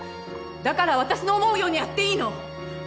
だから私の思うようにやっていいの。